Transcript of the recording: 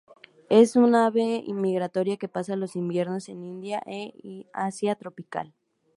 Es un ave migratoria que pasa los inviernos en India y en Asia tropical.